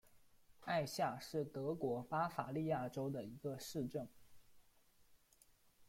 艾夏是德国巴伐利亚州的一个市镇。